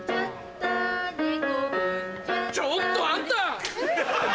ちょっとあんた！